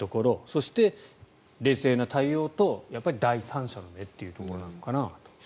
そして、冷静な対応と第三者の目というところなのかなと。